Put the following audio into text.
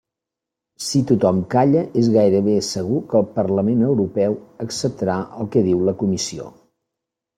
Si tothom calla, és gairebé segur que el Parlament Europeu acceptarà el que diu la Comissió.